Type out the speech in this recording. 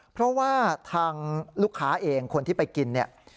เพราะว่าทางลูกค้าเองคนที่ไปกินเนี่ย